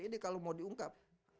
ini kalau mau diungkap